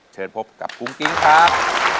เชิญพบกับกุ้งกิ๊งครับ